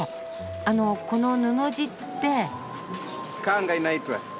あのこの布地って。